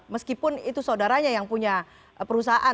meskipun itu saudaranya yang punya perusahaan